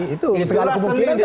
itu segala kemungkinan itu bisa